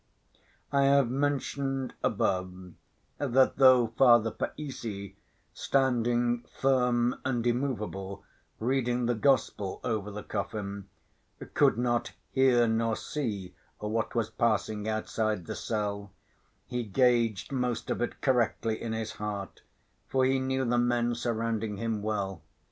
I have mentioned above, that though Father Païssy, standing firm and immovable reading the Gospel over the coffin, could not hear nor see what was passing outside the cell, he gauged most of it correctly in his heart, for he knew the men surrounding him, well.